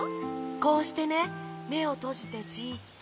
こうしてねめをとじてじっとして。